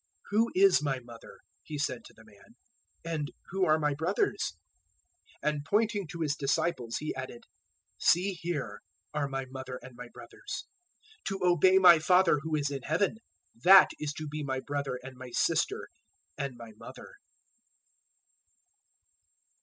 012:048 "Who is my mother?" He said to the man; "and who are my brothers?" 012:049 And pointing to His disciples He added, "See here are my mother and my brothers. 012:050 To obey my Father who is in Heaven that is to be my brother and my sister and my mother."